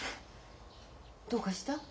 どうかした？